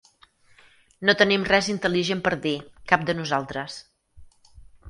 No tenim res intel·ligent per dir, cap de nosaltres.